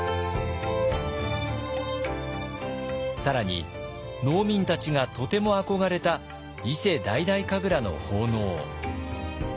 更に農民たちがとても憧れた伊勢大々神楽の奉納。